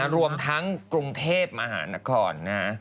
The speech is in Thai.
รวมทั้งกรุงเทพมหานครนะฮะ